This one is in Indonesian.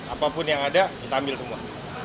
apapun yang ada kita ambil semua